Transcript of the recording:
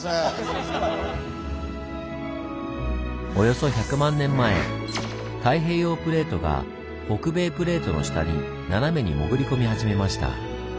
およそ１００万年前太平洋プレートが北米プレートの下に斜めに潜り込み始めました。